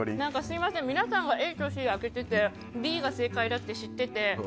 すみません、皆さんはＡとＣ挙げててＢが正解だって知ってて。